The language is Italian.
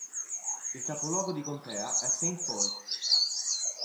Il capoluogo di contea è Saint Paul